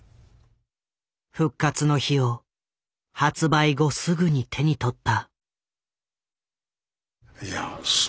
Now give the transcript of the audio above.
「復活の日」を発売後すぐに手に取った。